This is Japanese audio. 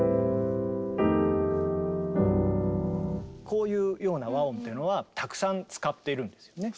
こういうような和音っていうのはたくさん使っているんですよね。